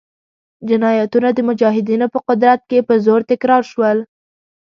جنایتونه د مجاهدینو په قدرت کې په زور تکرار شول.